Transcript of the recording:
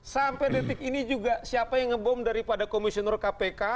sampai detik ini juga siapa yang ngebom daripada komisioner kpk